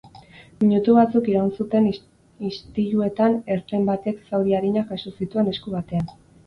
Minutu batzuk iraun zuten istiluetan ertzain batek zauri arinak jaso zituen esku batean.